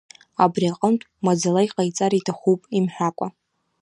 Абри аҟынтә маӡала иҟаиҵар иҭахуп, имҳәакәа.